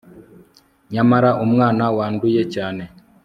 nyamara umwana wanduye cyane